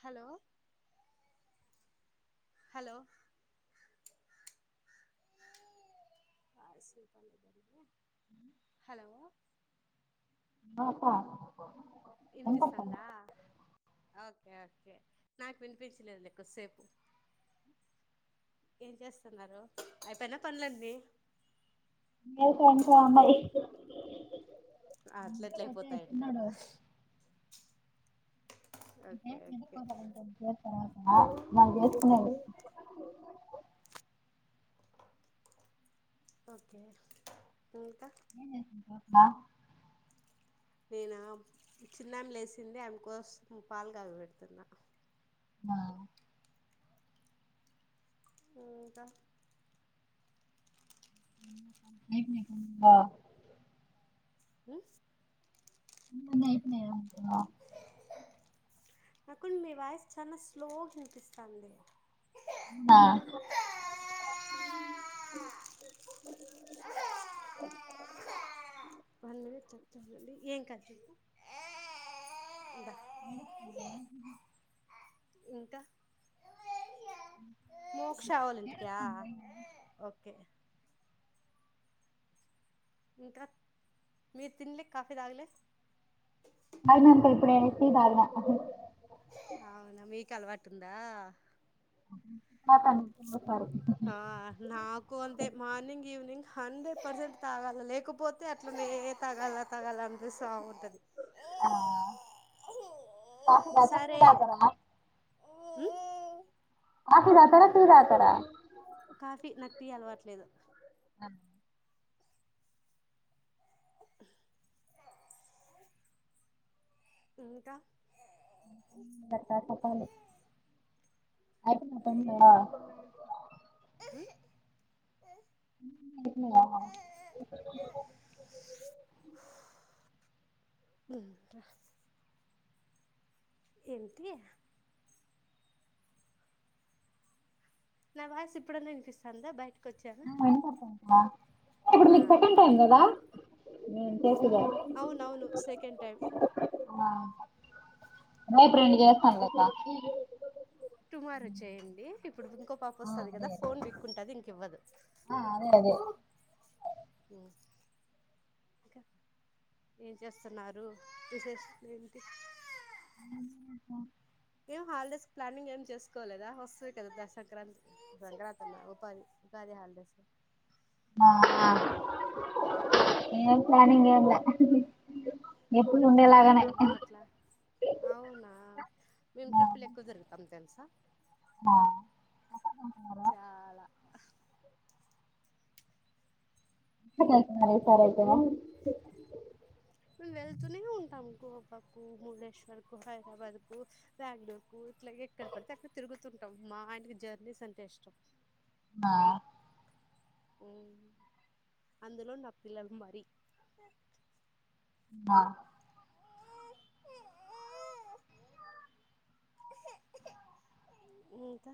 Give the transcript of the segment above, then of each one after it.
Hello hello hello ఒ అక్క ఎంతక్క వినిపిస్తందా, ఓకే ఓకే నాకు వినిపించలేదు లే కొద్దిసేపు ఏం చేస్తున్నారు అయిపోయినాయ పనులన్నీ, ఇంకా ఇంకా మరి [unintelligible] ఆ అట్లా ఎట్లా నిద్రపోతే చిన్నోడు అయిపోతాయంటావా, నువ్వు ఓకే నేర్పినవి ఓకే కొంత కొంత ఉపయోగా పడుతున్నా, ఆ మళ్ళీ చేస్తున్నది, ఓకే ఇంకా మా నేను చిన్నమె లేచింది ఆమె కోసం పాలు కాగా పెడుతున్నా, ఆ ఇంకా [unintelligible] ఉ నువ్వు నేర్పినవే అనుకున్నావా, నాకు మీవాయిస్ చానా స్లో గా వినిపిస్తున్నది, అవునా వాళ్లు చెపుతురండి ఎంకాదు, ఆ [unintelligible] ఇంకా మోక్షావాల్ల ఇంటిక్యా ఏడుస్తుంది ఓకే ఇంకా మీరు తినలే కాఫీ తాగలే అవును అక్క ఇప్పుడు ఇప్పుడు తాగిన అవునా మీకు అలవాటు ఉందా అ ఆ నాకు అంతే మార్నింగ్ ఈవెనింగ్ హండ్రెడ్ పర్సెంట్ తాగాల లేకపోతే అట్లనే తాగాల తాగాల అనిపిస్త ఉంటది ఆ కాఫీ తాగుతారా టీ తాగుతారా ఓహో కాఫీ తాగుతారా టీ తాగుతారా కాఫీ నాకు టీ అలవాట్లేదు ఆ ఇంకా టప్పా టప్పలి అయిపోయినా పనులు అయిపోయినాయా ఇ ఏంటి నా వాయిస్ ఇప్పుడన్నా వినిపిస్తంద బయట ఇప్పుడు ఆ నీకు సెకండ్ టైమ్ ఓకే కదా చేసిందా అవునవును సెకండ్ టైం రేపు రెండు చేస్తం కదా టుమారో చేయడి ఇప్పుడు ఇంకో పాప ఆ వస్తుంది అదే కదా అదే ఫోన్ పిక్కుంటది ఇంక ఇవ్వదు ఆ అదే అదే ఇంకా ఏం చేస్తున్నారు విశేషం ఏంటి ఏం హాలిడేస్ ప్లానింగ్ ఏం చేసుకోలేదా వస్తది కదా సంక్రాంతి సంక్రాంతి ఉగాది ఉగాది హాలిడేస్ ఆ ఏ ప్లానింగ్ ఏం లే ఎప్పుడు ట్రిప్పుల్కి ఉండేలాగానే కెళ్ళడము అట్లా అవునా మేము ఆ ట్రిపుల్ ఎక్కువ తిరుగుతాం తెలుసా ఆ [unintelligible] చాలా ఎక్కడికి వెళ్తున్నారు ఈ సారీ మము వెళ్తూనే ఉంటాం గోవాకు ముళేశ్వర్ కు హైదరాబాద్ కు బెంగళూరుకు ఇట్లాగే ఎక్కడ పడితే అక్కడ తిరుగుతు ఉంటాం మా ఆయనకి జర్నీస్ అంటే ఇష్టం ఆ అందులో నా పిల్లలు మరి ఆ ఇంకా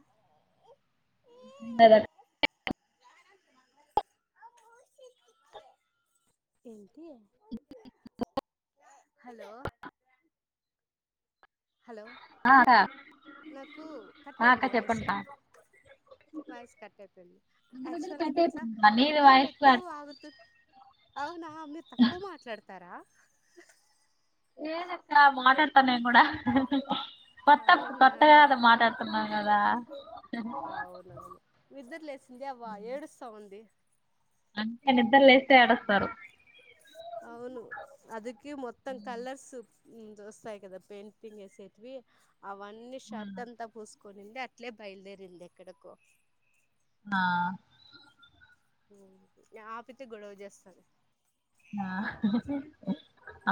దా ఏంటి హలో హలో నాకు కట్ ఆ, అక్క అయింది చెప్పండి వాయిస్ కా వాయిస్ కట్ అయిపోంది మధ్య మధ్యలో ఆక్చువల్గా కట్ తెలుసా అయిపోతుంది నీది నేనే ఎక్కువ వాయిస్ వాగుతు అవునా అ మీ తక్కువ మాట్లాడతారా లేదక్క మాట్లాడత నేను కూడా కొత్త అవునా కొత్తగా కదా మాట్లాడుతున్నాం కదా అవునవునా నిద్దరు లేసింది అవవా ఏడుస్తా ఉంది అంతే నిద్దరు లేస్తే ఆడస్తారు అవును అదికే మొత్తం కలర్స్ ద చూస్తాయి కదా పెయింటింగ్ వేసేట్వి అవన్నీ షార్ట్ అంతా పూస్ కొనింది అట్లే బయలుదేరింది ఎక్కడకో ఆ ఆపితే గొడవ చేస్తాను ఆ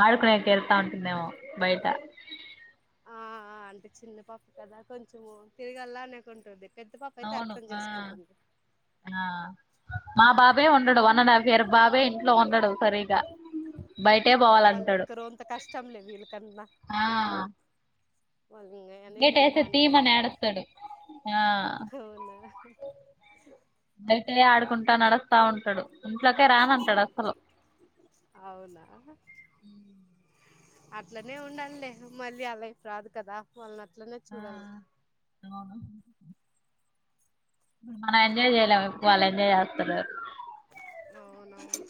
ఆడుకునేకెళ్తా ఉంటుంది ఏమో బయట ఆ అంటే చిన్నపప్ కదా కొంచెము తిరిగల్లా అనేకుంటుంది పెద్ద పాప అయితే అవును అర్థం చేసుకుంటుంది ఆ మా బాబ్ బే ఉండడు వన్ అండ్ హాఫ్ ఇయర్ బాబే ఇంట్లో ఉండడు సరిగా బయటే ఆ వాళ్ళు పోవాలంటాడు ఇంక రంత కష్టం లే వీళ్ళకన్నా ఆ ఇ ఎనీ గేట్ టైమ్ వేస్తే హ్యాండిల్ చెయాలి తీయమని కదా ఏడుస్తాడు ఆ అవునా ఆడుకుంటా నడుస్తా ఉంటాడు ఇంట్లోకే రానంటాడు అసలు అవునా అట్లనే ఉండాలిలే మళ్ళీ ఆ లైఫ్ రాదు కదా వాళ్ళ ఆ అవును మనం ఎంజాయ్ చేయలేం ఇప్పు వాళ్ళ ఎంజాయ్ యాత్ర అవునువు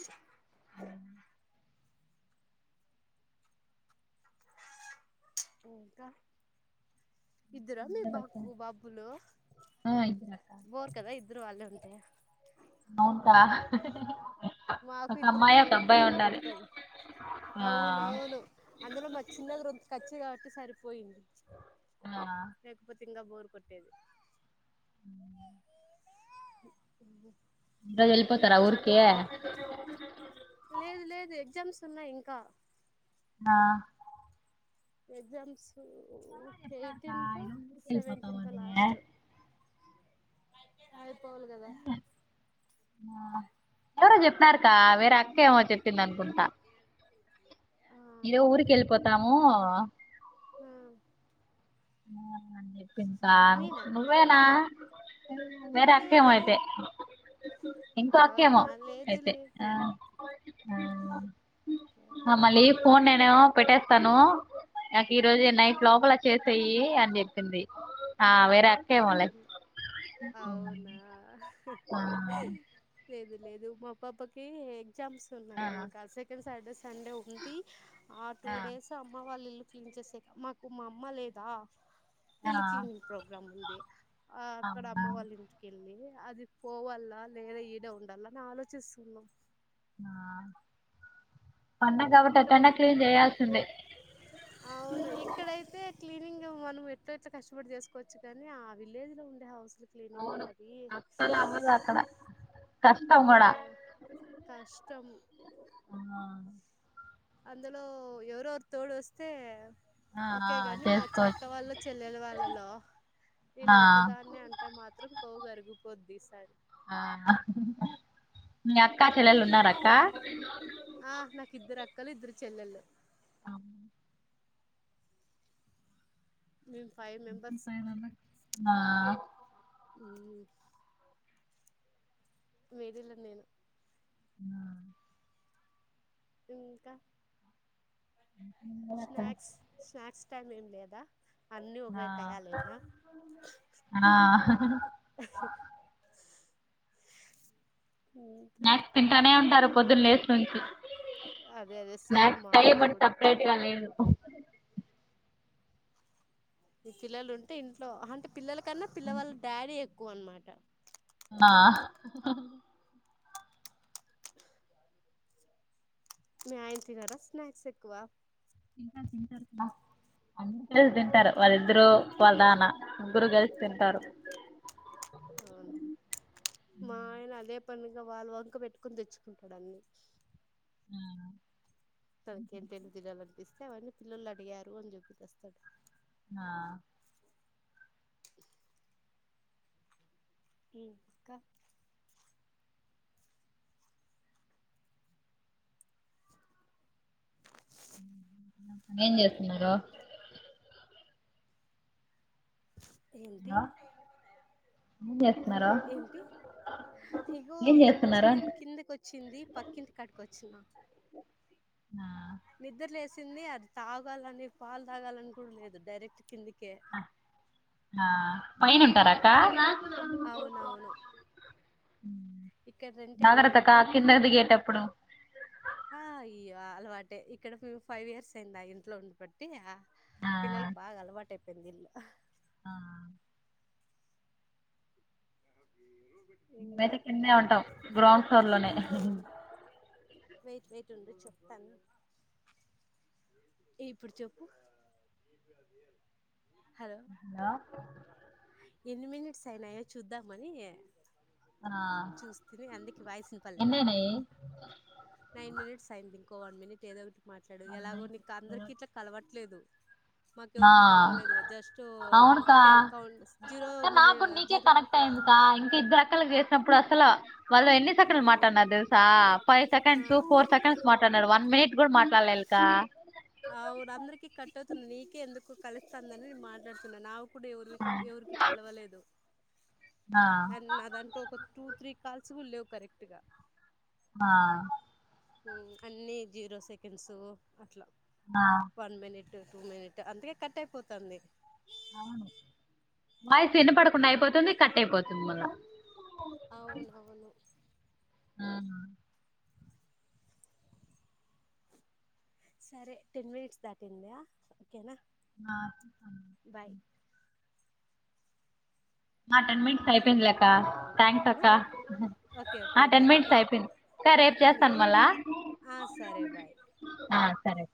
ఇకా ఇద్దరు మీ బక్కు బాబ్బులు ఆ ఇద్దరక్క బోర్ కదా ఇద్దరు వాళ్ళ ఉంటు ంట అవుంటా మాకు ఇ్ర బ ఇళ్ళ ఉంటే బోర్ కొడతది ఆ అవును అవును అందులో మ చిన్నగరుంత కచ్చిగా సర పోంది ఆ రపతి సింగపూర్ కొట్టేది అ ఇ ఇందజ వెళపోతారా ఊర్కే చె లేదు లేదు ఎగ్జామ్స్ ఉన్నాయి ఇంకా ఆ ఎగ్జామ్స్ ఎయిటీన్త్ ఈరోజు ఊరికి సెవెంటీన్త్ వెళ్ళిపోతామండి లాస్ట్ అ పోవాల కదా ఆ ఎవరు చెప్ప అన్నారుకా వేరే అక్కేమో చెప్పింది అనుకుంటా ఆ ఇదే ఊరికి వెళ్ళిపోతాము హ ఆ అ పకా నువ్వేనా వేరే అక్కేమో లేదే అయితే ఇంకో అక్కేమో అవునా లేదు అయితే లేదు ఓకే అ మళ ఫోన్ నేనే పెట్టేస్తను ఈ రోజు నైట్ లోపల చేస్తా అని చెప్పింది ఆ వేరే అక్కేమాల అవును అవునా ఆ లేదు లేదు మా పాప్పకి ఎగ్జామ్స్ ఉన్నాయి ఇంకా సెకం సైడ్స్ సండే ఉంది ఆ టూ డేస్ అమ్మ వాళ్ళ ఇల్ క్లీన్ చేసేకి మాకు మా అమ్మ లేదా ఆ ఇల్లు క్లీనింగ్ ప్రోగ్రామ్ ఉంది ఆ అక్కడ అవునా అమ్మ వాళ్ళ ఇంటికెళ్ళి అది పోవాల లేదా ఈడే ఉండాలని ఆలోచిస్తున్నాం ఆ పండగ కాబట్టి ఇక్కడ ఎట్టన్నా క్లీన్ చేయాల్సిందే అవును ఇక్కడయితే క్లీనింగ్ మనం ఎట్లా ఎట్లా కష్టపడి చేసుకోవచ్చు కాని ఆ విలేజ్ లో ఉండే హౌస్ లో క్లీనింగ్ అవును ఉంటది అస్సలు అవ్వదు అక్కడ కష్టం ఆ కూడా కష్టం అందులో ఎవరెవరు తోడు వస్తే ఆ ఒకే కాని మా అక్క చేసుకోవచ్చు వాళ్ళ చెల్లెల వాళ్ళలో నేను ఆ ఒకదాన్ని అంటే మాత్రం కొవ్వు కరిగిపోది ఇ సారి ఆ మీ అక్కా చెల్లెలు ఉన్నార అక్క ఆ నాకు ఇద్దరు అక్కలు ఇద్దరు చెల్లలు అ మేము ఫైవ్ ఎ మెంబర్స్ పైన నా ఈ మీదిల నేను ఆ ఇంకా స్నాక్స్ స్నాక్స్ టైమ్ ఏం లేదా అన్ని ఓకె ఆ టయయాలనా ఆ నాక్ తింటానే ఉంటారు పొద్దు లేసు నుంచి అదే అదే సేమ్ నాకు మా టైం ఇంట్లో అంటూ కూడా సప్రేట్వాలదు ఆ ఈ పిల్లలు ఉంటే ఇంట్లో అంటే పిల్ల కన్నా పిలళ్ళ డాడీ ఎ కువా అనమాట ఆ మి అయినా తినారా స్నాక్స్ ఎక్వ తింటారు తింటారు స్నాక్స్ అందరూ తింటారు వాళ్ళిద్దరు వాళ్ళదన్న ముగ్గురు కలిసి తింటారు రపూనగా వాళ్ళు వంక పెట్టుకుొని తెచ్చుకుంటాడు అన్ని ఆ తమకేం తినిపియాలి అనిపిస్ ేవీ పిల్లలు అడిగారు అని చెప్పపి తెస్తాడు ఆా ఇ ఇంకా ఏం ఇంకా ఏంటి హలో ఏం చేస్తున్నారు హలో ఏంటి ఇగో ఏం ఏమ్మ చేస్తున్నారు చిినమి కిందకి వచ్చింది పక్కింటి కట్టుకొచ్చి పిచ్చలా [unintelligible] ఆ నిద్ర లెసింది అది తాగాలని పాలు తాగాలని కూడా లేదు డైరెక్ట్ కిందికి ఆా పైైన ఉంటారాక్క అవునవును ఇక్కడ రంటాడు మేము జాగ్రత్తక్క కింద దిగేటప్పుడు ఆ అయ్య అలవాటే ఇక్కడ మేము ఫైవ్ ఇయర్స్ అయిందా ఇంట్లో ఉం బట్టి ఆ పిల్లలకి బాగా అలవాటుే పె జలా [unintelligible] ఆ మేమైతే ఇంకా కిందే ఉంటాం గ్రౌండ్ ఫ్లోర్ లోనే వెయిట్ వెయిట్ ఉండు చెప్తాను ఇప్పుడు చెప్పు హలో యా ఎన్ని మినిట్స్ అయినాయో చూద్దామని ఆ చూస్తంది అందుక వాయిస్ ఇనపాలేదా ఎన్నయినయి నైన్ మినిట్స్ అయి కో వన్ మినిట్ ఏదో మాట్లాడు ఎలాగో నీకు అందరికి ఇట్లా కలవట్లేదు. ఆ మాకెవరికి కలవలేదు జస్ట్ అవును కా కె కౌంట్స్ జీరో మిని జీరో ఈ గంటలు చేసినప్పుడు అసలు వాళ్ళ ఎన్ని ఆ సెకండ్లు మాట్లాడన్నారు తెలుసా ఫైవ్ సెకండ్స్, ఫోర్ సెకండ్స్ మాట్లాడన్నారు వ మెక్ ఆ ఊరు అందరికీ కట్టవుతుంది నీకే ఎందుకు? కలుస్తుందని నేను మాట్లాడుతున్నా నా ప్పుడు ఎవరివి ఎవరికి కలవలేదు ఆ అండ్ నాదంటూ ఒక టూ త్రీ కాల్స్ నువు లేవు కరెక్ట్ గా ఆ ఉ అన్ని జీరో సెకండ్స్ అట్లా ఆ. వన్ మనిట్ టూ మినిట్ అందుకే కట్ అయిపోతంది. అవును వయసు ఎన్న పడకుండా అయిపోతుంది. కట్టయిపోతుంది మళ్ళా అవునవును సరే టెన్ మినిట్స్ దాటిన్దా ఓకేనా ఆ బాయ్ మా టెన్ మినిట్స్ అయిపోయిందిలెక్క థ్యాంక్స్ అక్క ఓకే ఆ ఓకే టెన్ బాయ్ మినిట్స్ అయిపోయింది రేపు చేస్తాను అందుకే మళ్ళా ఆ సరే బాయ్ ఆ సరే